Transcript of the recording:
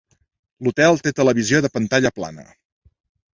L'hotel té televisió de pantalla plana.